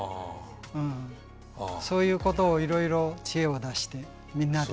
そういうことをいろいろ知恵を出してみんなで。